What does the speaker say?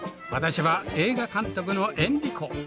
私は映画監督のエンリコ。